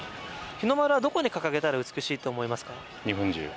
日の丸はどこに掲げたら美しいと思いますか？